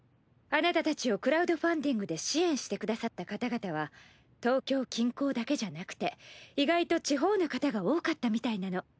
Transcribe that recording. あなたたちをクラウドファンディングで支援してくださった方々は東京近郊だけじゃなくて意外と地方の方が多かったみたいなの。